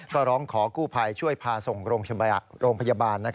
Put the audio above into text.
ก็ร้องขอกู้ภัยช่วยพาส่งโรงพยาบาล